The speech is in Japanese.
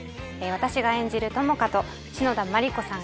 私が演じる朋香と篠田麻里子さん